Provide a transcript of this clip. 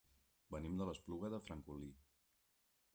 Venim de l'Espluga de Francolí.